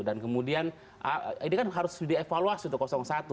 dan kemudian ini kan harus di evaluasi itu satu